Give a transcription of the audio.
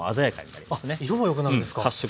あっ色も良くなるんですか。